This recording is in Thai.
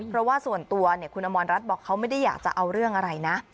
เพราะว่าส่วนตัวคุณอมรรัฐบอกเขาไม่ได้อยากจะเอาเรื่องอะไรนะ